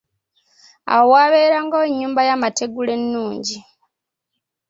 Awo waabeerangawo ennyumba y'amategula ennungi.